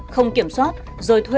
không kiểm soát rồi thuê